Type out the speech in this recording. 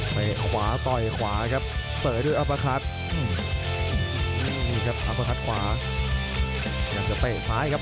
ไปขวาต่อยขวาครับเสยด้วยอัปคัทอัปคัทขวายังจะเตะซ้ายครับ